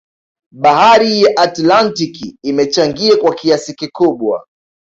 Bahari ya Atlantiki imechangia kwa kiasi kikubwa